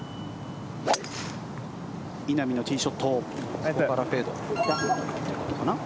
稲見のティーショット。